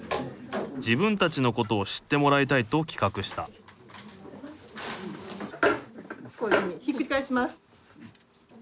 自分たちのことを知ってもらいたいと企画したこういうふうにひっくり返します。